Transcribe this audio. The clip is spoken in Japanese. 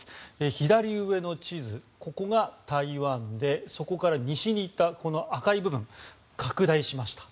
左上の地図、ここが台湾でそこから西に行った赤い部分拡大しました。